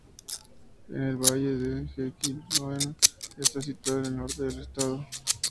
El Valle del Jequitinhonha está situado en el norte del estado.